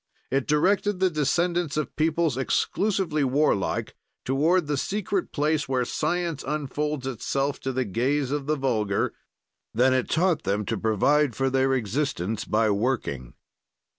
It directed the descendants of peoples exclusively warlike toward the secret place where science unfolds itself to the gaze of the vulgar; then it taught them to provide for their existence by working.